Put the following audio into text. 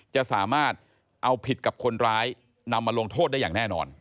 จะสามารถเอาผิดกับคนร้ายนำมาลงโทษได้อย่างแน่นอน